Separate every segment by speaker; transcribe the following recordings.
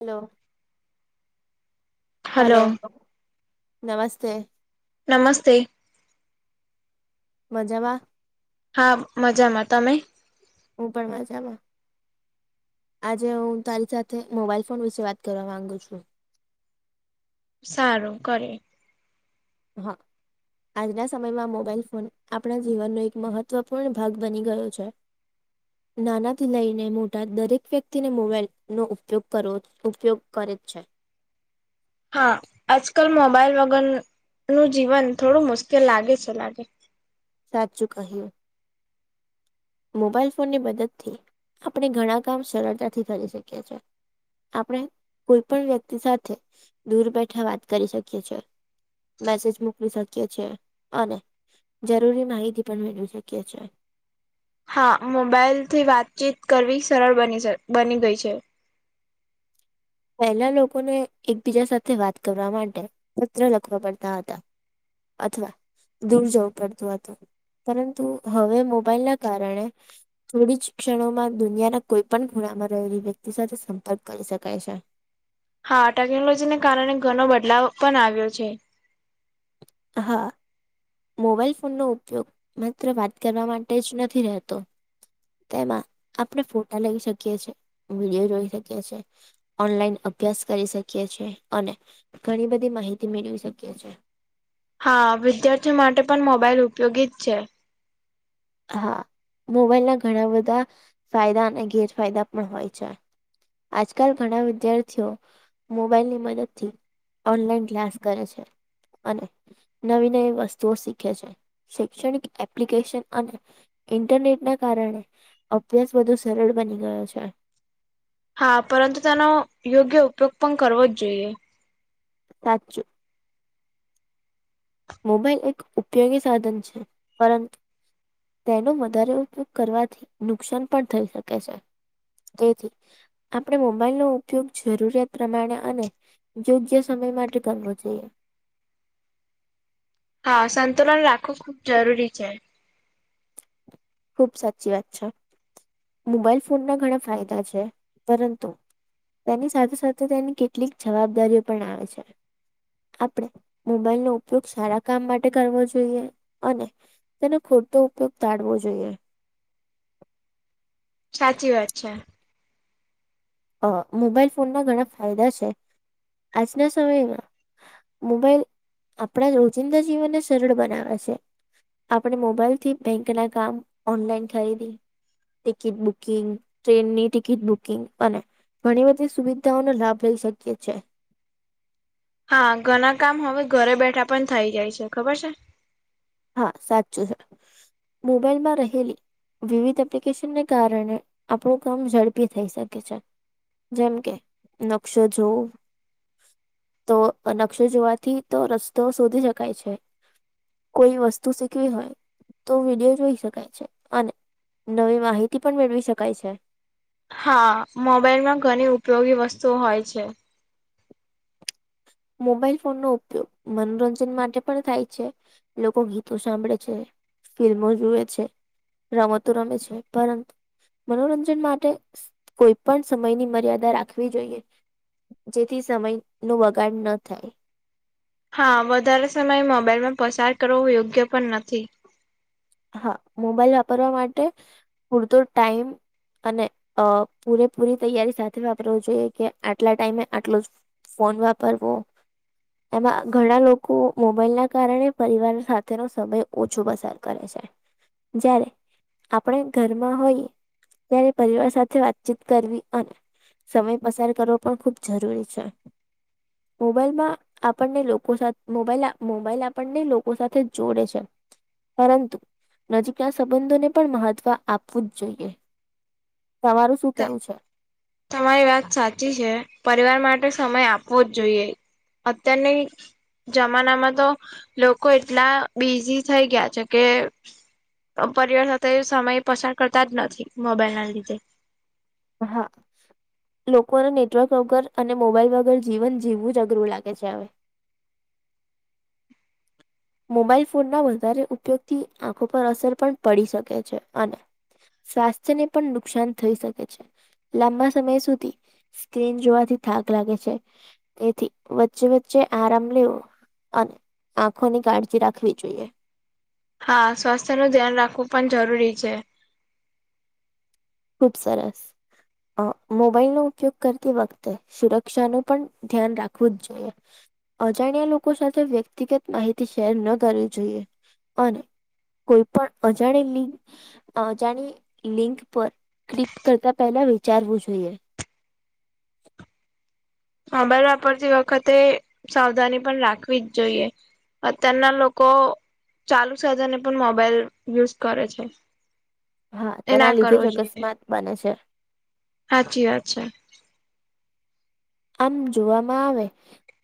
Speaker 1: Hello hello નમસ્તે
Speaker 2: નમસ્તે
Speaker 1: મજામાં?
Speaker 2: હા મજામાં. તમે?
Speaker 1: હું પણ મજામાં. આજે હું તારી સાથે મોબાઈલ ફોન વિશે વાત કરવા માંગુ છું.
Speaker 2: સારું કરીએ.
Speaker 1: હા આજના સમયમાં મોબાઈલ ફોન આપણા જીવનનો એક મહત્વપૂર્ણ ભાગ બની ગયો છે. [inaudible] નાનાથી લઈને મોટા દરેક વ્યક્તિને મોબાઈલનો ઉપયોગ કરવો ઉપયોગ કરે જ છે.
Speaker 2: હા આજ કલ મોબાઈલ વગર નું જીવન થોડું મુશ્કેલ લાગે છે લાગે
Speaker 1: સાચું કહ્યું. મોબાઈલ ફોન ની મદદ થી આપણે ઘણા કામ સરળતાથી કરી શકીએ છીએ. આપણે કોઈ પણ વ્યક્તિ સાથે દૂર બેઠા વાત કરી શકીએ છે, મેસેજ મોકલી શકીએ છેએ અને જરૂરી માહિતી પણ મેળવી શકીએ છે.
Speaker 2: હા, મોબાઈલ થી વાતચીત કરવી સરળ બની જાય બની ગઈ છે.
Speaker 1: પહેલા લોકોને એકબીજા સાથે વાત કરવા માટે પત્ર લખવા પડતા હતા, અથવા દૂર જવું પડતું હતું, પરંતુ હવે મોબાઈલ ના કારણે થોડી જ ક્ષણોમાં દુનિયાના કોઈ પણ ખૂણામાં રહેલી વ્યક્તિ સાથે સંપર્ક કરી શકાય છે.
Speaker 2: હા, ટેકનોલોજીને કારણે ઘણો બદલાવ પણ આવ્યો છે,
Speaker 1: હા. મોબાઈલ ફોનનો ઉપયોગ માત્ર વાત કરવા માટે જ નથી રહેતો. તેમાં આપણે ફોટા લઈ શકીએ છે, એ વિડીયો જોઈ શકીએ છે. ઓનલાઈન અભ્યાસ કરી શકીએ છીએ, અને ઘણી બધી માહિતી મેળવી શકીએ છીએ.
Speaker 2: હા, વિદ્યાર્થીઓ માટે પણ મોબાઈલ ઉપયોગી જ છે.
Speaker 1: હા, મોબાઈલ ના ઘણા બધા ફાયદા અને ગેરફાયદા પણ હોય છે. આજકાલ ઘણા વિદ્યાર્થીઓ મોબાઈલની મદદથી ઓનલાઈન ક્લાસ કરે છે. અને નવી-નવી વસ્તુઓ શીખે છે, શૈક્ષણિક એપ્લિકેશન અને ઇન્ટરનેટના કારણે અભ્યાસ વધુ સરળ બની ગયો છે.
Speaker 2: હા, પરંતુ તેનો યોગ્ય ઉપયોગ પણ કરવો જ જોઈએ.
Speaker 1: સાચું. મોબાઈલ એક ઉપયોગી સાધન છે, પરંતુ તેનો વધારે ઉપયોગ કરવાથી નુકસાન પણ થઈ શકે છે. તેથી આપણે મોબાઈલનો ઉપયોગ જરૂરિયાત પ્રમાણે અને યોગ્ય સમય માટે કરવો જોઈએ.
Speaker 2: હા, સંતુલન રાખવું ખૂબ જરૂરી છે.
Speaker 1: ખુબ સાચી વાત છે, મોબાઈલ ફોનના ઘણા ફાયદા છે પરંતુ તેની સાથે-સાથે તેની કેટલીક જવાબદારીઓ પણ આવે છે. આપણે મોબાઈલનો ઉપયોગ સારા કામ માટે કરવો જોઈએ, અને તેનો ખોટો ઉપયોગ ટાળવો જોઈએ.
Speaker 2: સાચી વાત છે.
Speaker 1: મોબાઈલ ફોનના ઘણા ફાયદા છે, આજના સમયમાં મોબાઈલ આપણા રોજિંદા જીવનને સરળ બનાવે છે, આપણે મોબાઈલથી બેંકના કામ ઓનલાઈન ખરીદી ટિકિટ બુકિંગ, ટ્રેનની ટિકિટ બુકિંગ અને ઘણી બધી સુવિધાઓનો લાભ લઇ શકીએ છીએ.
Speaker 2: હા, ઘણા કામ હવે ઘરે બેઠા પણ થઇ જાય છે ખબર છે?
Speaker 1: હા, સાચું છે મોબાઈલમાં રહેલી વિવિધ એપ્લિકેશનને કારણે આપણું કામ ઝડપી થઈ શકે છે. જેમ કે નકશો જોવું, તો નકશો જોવાથી તો રસ્તો શોધી શકાય છે. કોઈ વસ્તુ શીખવી હોય, તો વિડીયો જોઈ શકાય છે અને નવી માહિતી પણ મેળવી શકાય છે.
Speaker 2: હા, મોબાઈલમાં ઘણી ઉપયોગી વસ્તુઓ હોય છે.
Speaker 1: મોબાઈલ ફોનનો ઉપયોગ મનોરંજન માટે પણ થાય છે. લોકો ગીતો સાંભળે છે, ફિલ્મો જુએ છે. રમતો રમે છે, પરંતુ મનોરંજન માટે કોઈ પણ સમયની મર્યાદા રાખવી જોઈએ. જેથી સમયનો બગાડ ન થાય.
Speaker 2: હા, વધારે સમય મોબાઈલમાં પસાર કરવો યોગ્ય પણ નથી.
Speaker 1: હા, મોબાઈલ વાપરવા માટે પૂરતો ટાઈમ અને અ પૂરેપૂરી તૈયારી સાથે વાપરવું જોઈએ કે આટલા ટાઈમે આટલું જ. ફોન વાપરવો. એમાં ઘણા લોકો મોબાઈલના કારણે પરિવાર સાથેનો સમય ઓછો પસાર કરે છે. જ્યારે આપણે ઘરમાં હોઈએ ત્યારે પરિવાર સાથે વાતચીત કરવી અને સમય પસાર કરવો પણ ખૂબ જરૂરી છે, મોબાઈલમાં આપણને લોકો સાથે મોબાઈલ આપણને લોકો સાથે જોડે છે. પરંતુ નજીકના સંબંધોને પણ મહત્વ આપવું જ જોઈએ તમારું શું કેવું છે.
Speaker 2: તમારી વાત સાચી છે પરિવાર માટે સમય આપવો જ જોઈએ અત્યારની જમાનામાં તો લોકો એટલા બિઝી થઈ ગયા છે કે પરિવાર સાથે સમય પસાર કરતા જ નથી મોબાઈલ ના લીધે.
Speaker 1: હા. લોકોને નેટવર્ક વગર અને મોબાઈઇલ વગર જીવન જીવું જ અઘરું લાગે છે હવે. મોબાઈલ ફોન ના વધારે ઉપયોગથી આંખો પર અસર પણ પડી શકે છે અને સ્વાસ્થ્ય ને પણ નુકસાન થઈ શકે છે લાંબા સમય સુધી. સ્ક્રીન જોવાથી થાક લાગે છે. એથી વચ્ચે વચ્ચે આરામ લેવો અને ખુદની કાળજી રાખવી જોઈએ.
Speaker 2: હા સ્વાસ્થ્યનું ધ્યાન રાખવું પણ જરૂરી છે.
Speaker 1: ખુબ સરસ અ મોબાઈલનો ઉપયોગ કરતી વખતે. સુરક્ષાનુ પણ ધ્યાન રાખવું જ જોઈએ. અજાણ્યા લોકો સાથે વ્યક્તિગત માહિતી શેર ન કરવી જોઈએ અન કોઈ પણ અજાણી લિંક અજાણી લિંક પર. ક્લિક કરતા પહેલા વિચારવું જોઈએ.
Speaker 2: મોબાઈલ વાપરતી વખતે સાવધાની પણ રાખવી જ જોઈએ. અતના લોકો ચાલુ સાધાને ને પણ મોબાઈલ યુઝ કરે છે.
Speaker 1: હા
Speaker 2: એ
Speaker 1: તેના
Speaker 2: ના
Speaker 1: લીધે
Speaker 2: કરવો
Speaker 1: જ અકસ્માત બને છે.
Speaker 2: હાચી વાત છે.
Speaker 1: આમ જોવામાં આવે.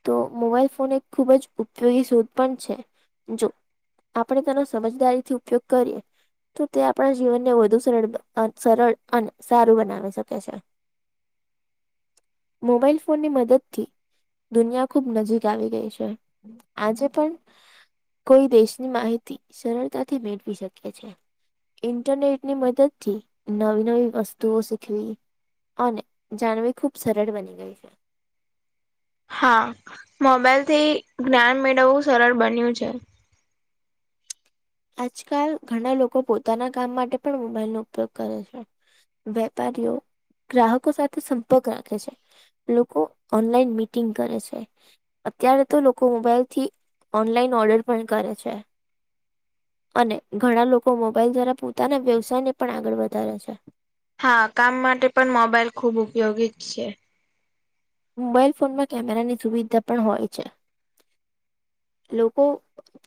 Speaker 1: તો મોબાઈલ ફોન એક ખૂબ જ ઉપયોગી સોધ પણ છે જો. આપણે તેનો સમજદારી થી ઉપયોગ કરીએ તો તે આપણા જીવનને વધુ સર સરળ અને સારું બનાવી શકે છે. મોબાઈલ ફોન ની મદદથી દુનિયા ખુબ નજીક આવી ગઈ છે આજે પણ. કોઈ દેશની માહિતી સરળતાથી મેળવી શકે છે. ઇન્ટરનેટની મદદ થી નવી-નવી વસ્તુઓ શીખવી અને જાણવી ખુબ સરળ બની ગઈ છે.
Speaker 2: હા મોબાઈલ થી જ્ઞાન મેળવવું સરળ બન્યું છે.
Speaker 1: આજકાલ ઘણા લોકો પોતાના કામ માટે પણ મોબાઈલનો ઉપયોગ કરે છે. વેપારીઓ ગ્રાહકો સાથે સંપર્ક રાખે છે. લોકો ઓનલાઈન મિટિંગ કરે છે. અત્યારે તો લોકો મોબાઈલ થી ઓનલાઈન ઓર્ડર પણ કરે છે. અને ઘણા લોકો મોબાઈલ દ્વારા પોતાના વ્યવસાય ને પણ આગળ વધારે છે.
Speaker 2: હા કામ માટે પણ મોબાઈલ ખુબ ઉપયોગી જ છે.
Speaker 1: મોબાઈલ ફોનમાં કેમેરાની સુવિધા પણ હોય છે. લોકો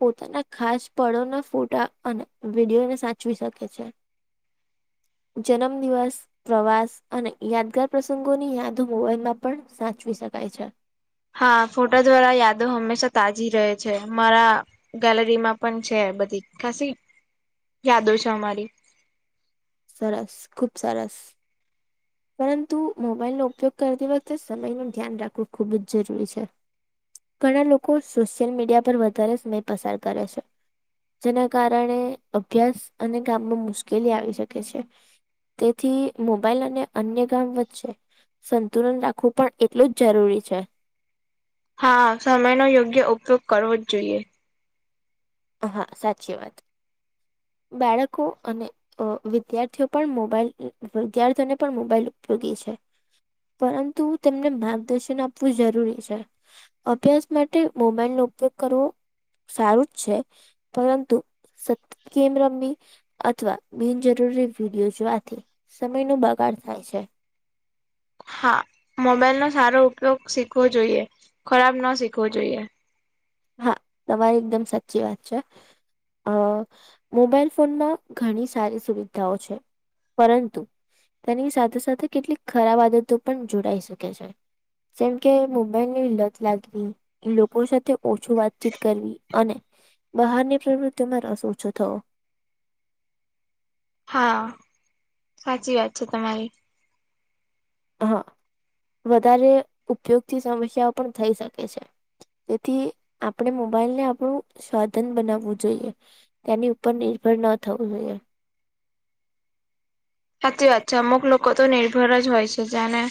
Speaker 1: પોતાના ખાસ પળોના ફોટા અને વિડીયોને સાચવી શકે છે. જન્મદિવસ પ્રવાસ અને યાદગાર પ્રસંગોની યાદો મોબાઈલમાં પણ સાચવી શકાય છે.
Speaker 2: હા, ફોટા દ્વારા યાદો હંમેશા તાજી રહે છે મારા ગેલેરીમાં પણ છે બધી ખાસી યાદો છે અમારી.
Speaker 1: સરસ, ખૂબ સરસ. પરંતુ મોબાઈલનો ઉપયોગ કરતી વખતે સમયનું ધ્યાન રાખવું ખૂબ જ જરૂરી છે. ઘણા લોકો સોશિયલ મીડિયા પર વધારે સમય પસાર કરે છે. જેના કારણે અભ્યાસ અને કામમાં મુશ્કેલી આવી શકે છે. તેથી મોબાઈલ અને અન્ય કામ વચ્ચે સંતુલન રાખવું પણ એટલું જ જરૂરી છે.
Speaker 2: હા સમયનો યોગ્ય ઉપયોગ કરવો જ જોઈએ.
Speaker 1: હા, સાચી વાત. બાળકો અને અ વિદ્યાર્થીઓ પણ મોબાઈલ વિદ્યાર્થીઓને પણ મોબાઈલ ઉપયોગી છે. પરંતુ તેમને માર્ગદર્શન આપવું જરૂરી છે. અભ્યાસ માટે મોબાઈલનો ઉપયોગ કરવો સારું જ છે પરંતુ સત ગેમ રમવી અથવા બિનજરૂરી વિડીયો જોવાથી સમયનો બગાડ થાય છે.
Speaker 2: હા મોબાઈલનો સારો ઉપયોગ શીખવો જોઈએ ખરાબ ન શીખવો જોઈએ.
Speaker 1: હા તમારી એકદમ સાચી વાત છે. અ મોબાઈલ ફોનમાં ઘણી સારી સુવિધાઓ છે. પરંતુ તેની સાથે સાથે કેટલીક ખરાબ આદતો પણ જોડાઈ શકે છે. જેમ કે મોબાઈલ ની લત લાગવી, લોકો સાથે ઓછું વાતચીત કરવી અને બહારની પ્રવૃત્તિમાં રસ ઓછો થવો.
Speaker 2: હા, સાચી વાત છે તમારી.
Speaker 1: હ વધારે ઉપયોગથી સમસ્યાઓ પણ થઈ શકે છે. તેથી આપણે મોબાઈલને આપણું સાધન બનાવવું જોઈએ. તેની ઉપર નિર્ભર ન થવું જોઈએ.
Speaker 2: સાચી વાત છે, અમુક લોકો તો નિર્ભર જ હોય છે જાણે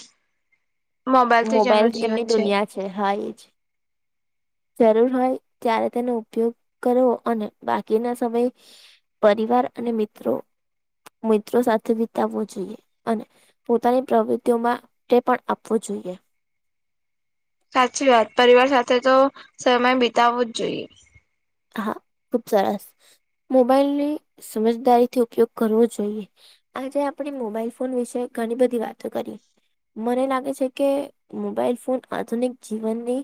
Speaker 2: મોબાઈલથી જ
Speaker 1: મોબાઈલ
Speaker 2: એમનું જીવન
Speaker 1: એમની
Speaker 2: છે.
Speaker 1: દુનિયા છે હા એજ. જરૂર હોય ત્યારે તેનો ઉપયોગ કરવો અને બાકીના સમયે પરિવાર અને મિત્રો મિત્રો સાથે વિતાવવો જોઈએ અને પોતાની પ્રવૃત્તિઓમાં તે પણ આપવું જોઈએ.
Speaker 2: સાચી વાત, પરિવાર સાથે તો સમય બીતાવવો જ જોઈએ.
Speaker 1: હા ખૂબ સરસ મોબાઈલની સમજદારીથી ઉપયોગ કરવો જોઈએ. આજે આપણે મોબાઈલ ફોન વિશે ઘણી બધી વાતો કરી. મને લાગે છે કે મોબાઈલ ફોન આધુનિક જીવનની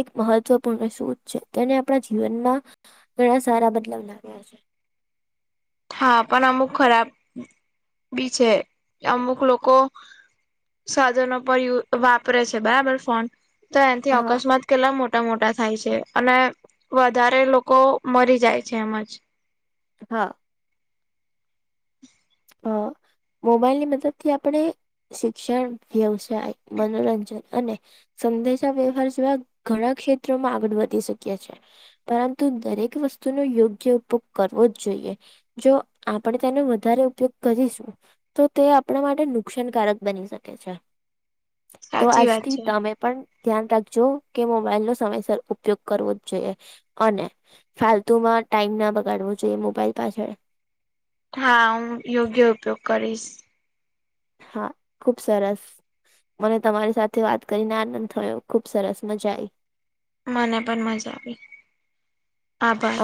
Speaker 1: એક મહત્વપૂર્ણ શોધ છે તેને આપણા જીવનમાં ઘણા સારા બદલાવ લાવ્યા છે.
Speaker 2: હા પણ અમુક ખરાબ બી છે અમુક લોકો સાધનો પર યુ વાપરે છે બરાબર ફોન તો એનથી
Speaker 1: હા
Speaker 2: અકસ્માત કેટલા મોટાં-મોટાં થાય છે અને વધારે લોકો મરી જાય છે એમજ.
Speaker 1: હા. હા મોબાઈલની મદદથી આપણે શિક્ષણ, વ્યવસાય, મનોરંજન અને સંદેશા વ્યવહાર સિવિય ઘણાં ક્ષેત્રોમાં આગળ વધી શકીએ છીએ. પરંતુ દરેક વસ્તુનો યોગ્ય ઉપયોગ કરવો જ જોઈએ. જો આપણે તેને વધારે ઉપયોગ કરીશું તો તે આપણા માટે નુકસાનકારક બની શકે છે. તો
Speaker 2: સાચી વાત
Speaker 1: આજથી
Speaker 2: છે
Speaker 1: તમે પણ ધ્યાન રાખજો કે મોબાઈલ નો સમયસર ઉપયોગ કરવો જ જોઈએ, અને ફાલતુ માં ટાઈમ ના બગાડવો જોઈએ મોબાઈલ પાછળ.
Speaker 2: હા, હું યોગ્ય ઉપયોગ કરીશ.
Speaker 1: હા, ખુબ સરસ. મને તમારી સાથે વાત કરીને આનંદ થયો, ખુબ સરસ મજા આવી.
Speaker 2: મને પણ મજા આવી, આભાર.